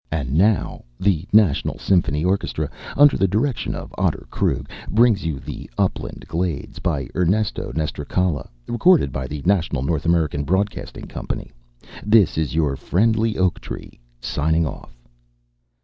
And now the National Symphony Orchestra under the direction of Otter Krug brings you 'The Upland Glades,' by Ernesto Nestrichala, recorded by the National North American Broadcasting Company. This is your friendly oak tree signing off."